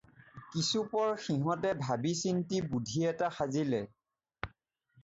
কিছুপৰ সিহঁতে ভাবি-চিন্তি বুধি এটা সাজিলে।